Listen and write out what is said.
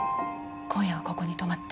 今夜はここに泊まって。